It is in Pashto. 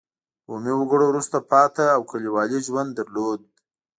بومي وګړو وروسته پاتې او کلیوالي ژوند درلود.